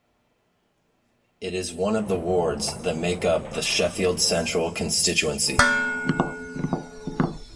It is one of the wards that make up the Sheffield Central constituency.